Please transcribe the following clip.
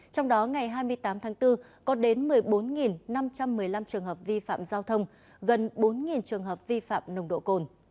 trong đó ngày hai mươi tám tháng bốn có đến một mươi bốn năm trăm một mươi năm trường hợp vi phạm giao thông gần bốn trường hợp vi phạm nồng độ cồn